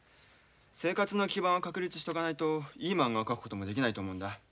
生活の基盤を確立しとかないといいまんがを描くこともできないと思うんだ。